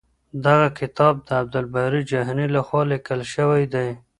دغه کتاب د عبدالباري جهاني لخوا لیکل شوی دی.